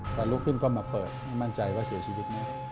พาลุกขึ้นเข้ามาเปิดให้มั่นใจว่าเสียชีวิตนะครับ